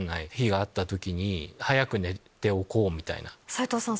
斉藤さん